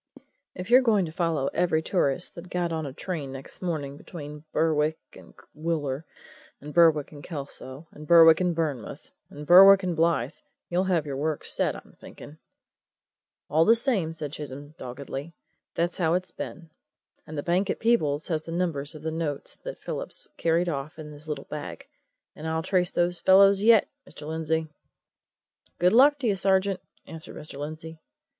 "If you're going to follow every tourist that got on a train next morning between Berwick and Wooler, and Berwick and Kelso, and Berwick and Burnmouth, and Berwick and Blyth, you'll have your work set, I'm thinking!" "All the same," said Chisholm doggedly, "that's how it's been. And the bank at Peebles has the numbers of the notes that Phillips carried off in his little bag and I'll trace those fellows yet, Mr. Lindsey." "Good luck to you, sergeant!" answered Mr. Lindsey.